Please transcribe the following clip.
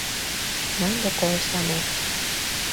なんでこうしたの